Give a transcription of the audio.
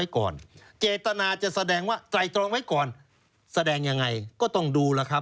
ก็คือเข้าตรงนี้แหละ